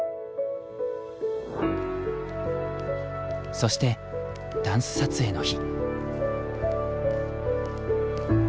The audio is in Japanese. そしてダンス撮影の日。